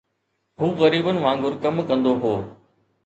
هو غريبن وانگر ڪم ڪندو هو